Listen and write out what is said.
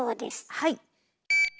はい。